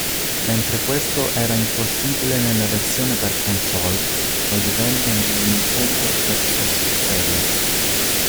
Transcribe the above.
Mentre questo era impossibile nella versione per console, lo divenne in "Nintendo Vs. Series".